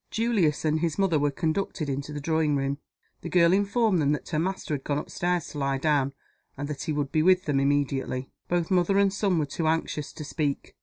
Julius and his mother were conducted into the drawing room. The girl informed them that her master had gone up stairs to lie down, and that he would be with them immediately. Both mother and son were too anxious to speak.